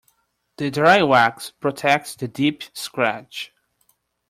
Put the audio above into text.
The dry wax protects the deep scratch.